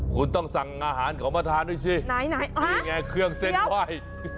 คุณต้องสั่งอาหารเขามาทานด้วยสิไหนนี่ไงเครื่องเส้นไหว้